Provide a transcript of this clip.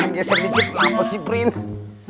geser dikit lapar sih prince